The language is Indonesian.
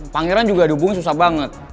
pangeran juga dubung susah banget